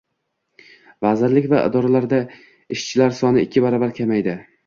Vazirlik va idoralarda ishchilar soni ikki baravar kamaydi